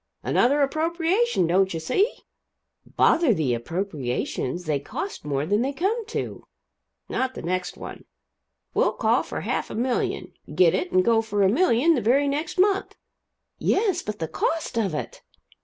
"Another appropriation, don't you see?" "Bother the appropriations. They cost more than they come to." "Not the next one. We'll call for half a million get it and go for a million the very next month." "Yes, but the cost of it!"